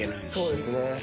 そうですね。